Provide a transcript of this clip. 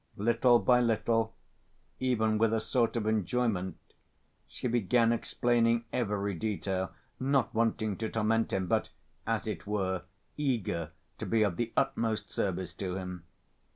Little by little, even with a sort of enjoyment, she began explaining every detail, not wanting to torment him, but, as it were, eager to be of the utmost service to him.